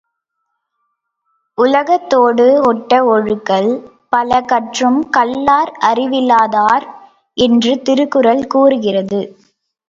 உலகத்தோடு ஒட்ட ஒழுகல் பலகற்றும் கல்லார் அறிவிலா தார் என்று திருக்குறள் கூறுகிறது.